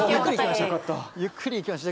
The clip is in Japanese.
ゆっくり行きましょう。